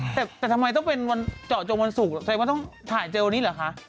แต่แต่ทำไมต้องเป็นวันเจาะจงวันสุกตัวเองมันถ้าเราถ้าวันท้ายเจอแบบนี้เหรอคะ